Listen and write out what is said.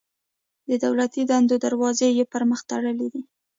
د دولتي دندو دروازې یې پر مخ تړلي دي.